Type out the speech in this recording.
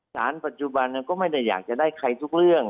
ปัจจุบันก็ไม่ได้อยากจะได้ใครทุกเรื่อง